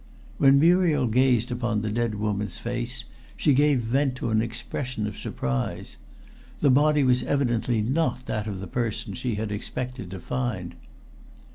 When Muriel gazed upon the dead woman's face she gave vent to an expression of surprise. The body was evidently not that of the person she had expected to find.